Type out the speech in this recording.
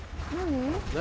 何？